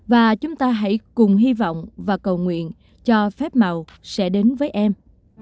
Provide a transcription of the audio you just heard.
và chúng ta hãy cùng hy vọng và cầu nguyện cho phép màu sẽ đến với em